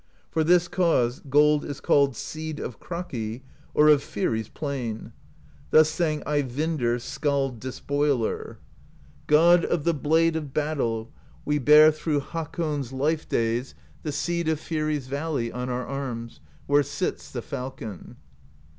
For this cause gold is called Seed of Kraki or of Fyri's Plain. Thus sang Ey vindr Skald Despoiler: THE POESY OF SKALDS 173 God of the blade of battle, We bear through Hakon's life days The Seed of Fyri's valley On our arms, where sits the falcon.